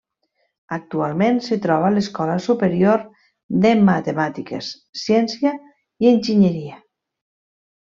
Actualment s'hi troba l'Escola Superior de Matemàtiques, Ciència i Enginyeria.